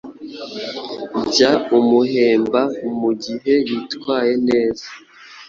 jya umuhemba mu gihe yitwaye neza